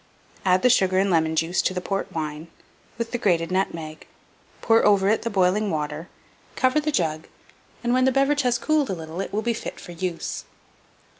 Add the sugar and lemon juice to the port wine, with the grated nutmeg; pour over it the boiling water, cover the jug, and, when the beverage has cooled a little, it will be fit for use.